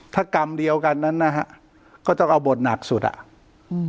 ถ้ากรรมเดียวกันนั้นนะฮะก็ต้องเอาบทหนักสุดอ่ะอืม